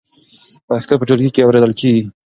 پښتو په ټولګي کې اورېدل کېږي.